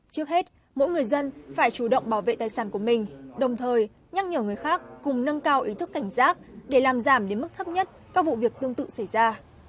trước hết mỗi người dân phải chủ động bảo vệ tài sản của mình đồng thời nhắc nhở người khác cùng nâng cao ý thức cảnh giác để làm giảm đến mức thấp nhất các vụ việc tương tự xảy ra